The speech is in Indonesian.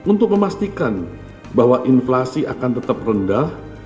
untuk memastikan bahwa inflasi akan tetap rendah